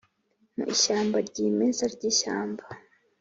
mu ishyamba ryimeza ryishyamba: